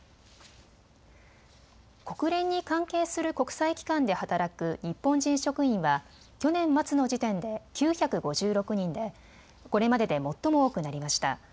国連に関係する国際機関で働く日本人職員は去年末の時点で９５６人で、これまでで最も多くなりました。